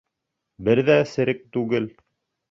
Бер ҙә серек түгел.